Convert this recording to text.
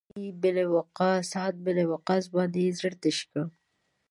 پر سعد بن وقاص باندې یې زړه تش کړی.